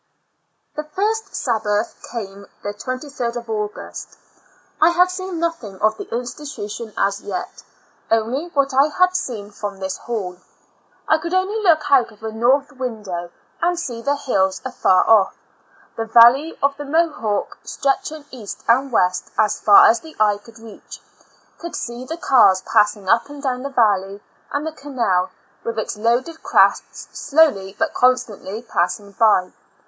The first Sabbath came the 23d of August. I had seen nothing of the institution as yet, only '^ what I had seen from this hall. I could only look out of a north window, and see the hills afar off, the valley of the Mohawk stretching east and west as far as the eye could reach; could see the cars passing up and down the valley, and the canal, with its loaded crafts slowly but constantly passing by.